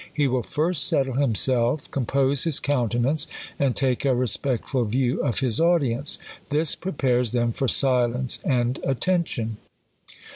He will first settle himself, com.pose his countenance, and take a respectful view of his audience. This prepares them for silence and attention.